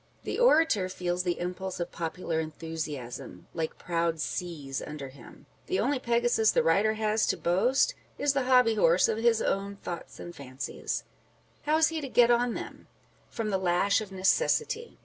The orator feels the impulse of popular enthusiasm, like proud seas under him : 2 c 386 On the Difference between the only Pegasus the writer has to boast, is the hobby horse of his own thoughts and fancies. How is he to get on, then ? From the lash of necessity.